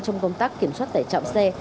trong công tác kiểm soát tải trọng xe